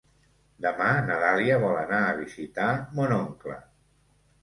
Demà na Dàlia vol anar a visitar mon oncle.